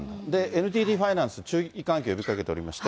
ＮＴＴファイナンスは注意喚起を呼びかけておりまして。